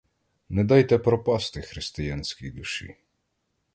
Не дайте пропасти християнській душі.